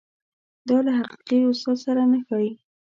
دا له حقیقي استاد سره نه ښايي.